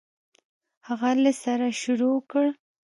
هغه له سره شروع کړ.